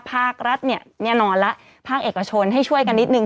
ภาครัฐเนี่ยแน่นอนแล้วภาคเอกชนให้ช่วยกันนิดนึง